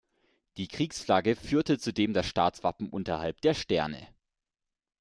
Die Kriegsflagge führte zudem das Staatswappen unterhalb der Sterne.